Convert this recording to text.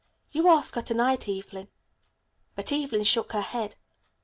"You ask her to night, Evelyn." But Evelyn shook her head.